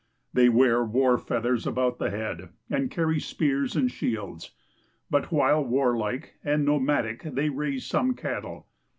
They wear war feath ers a'oout the head and carry spears and shields, but while warlike and nomadic they raise some cattle.